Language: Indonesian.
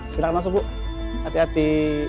silahkan masuk bu hati hati